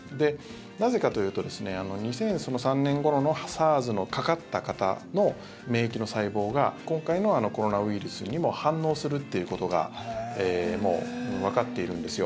なぜかというと２００３年ごろのＳＡＲＳにかかった方の免疫の細胞が今回のコロナウイルスにも反応するっていうことがもうわかっているんですよ。